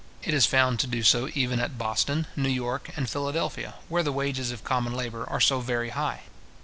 It is found to do so even at Boston, New York, and Philadelphia, where the wages of common labour are so very high.